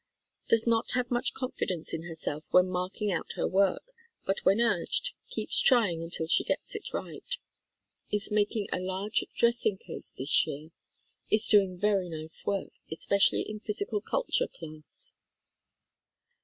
Does not have much confidence in herself when mark ing out her work, but when urged, keeps trying until she gets it right. Is making a large dressing case this year. Is doing very nice work, especially in physical culture class.